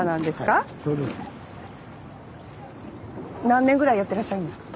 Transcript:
はいそうです。何年ぐらいやってらっしゃるんですか？